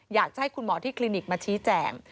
อยากจะให้คุณหมอที่คลินิกมาชี้แจ่ง